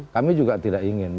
kami juga tidak ingin